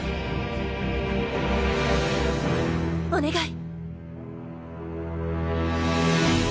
お願い！